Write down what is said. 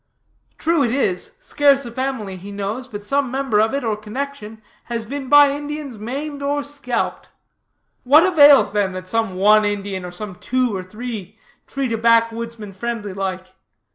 True it is, scarce a family he knows but some member of it, or connection, has been by Indians maimed or scalped. What avails, then, that some one Indian, or some two or three, treat a backwoodsman friendly like?